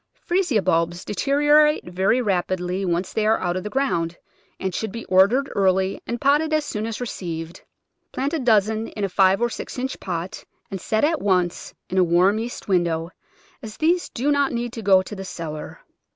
Freesia bulbs deteriorate very rapidly once they are out of the ground, and should be ordered early and potted as soon as received. Plant a dozen in a Ave or six inch pot, and set at once in a warm east window, as these do not need to go to the cellar.